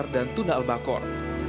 dan juga tuna albacor